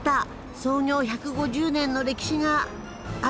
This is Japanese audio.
創業１５０年の歴史があるんですね。